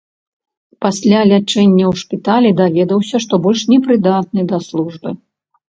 Пасля лячэння ў шпіталі даведаўся, што больш не прыдатны да службы.